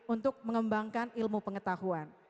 untuk mengembangkan ilmu pengetahuan